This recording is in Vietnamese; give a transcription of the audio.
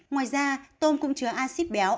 ngoài ra tôm cũng chứa acid béo